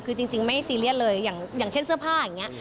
คือจริงไม่ซีเรียสเลยอย่างเช่นเสื้อผ้าอย่างนี้